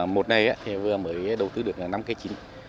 một ngày thì vừa mới đầu tư được năm cái chính